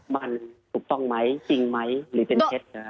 มันถูกต้องไหมจริงไหมหรือเป็นเท็จนะฮะ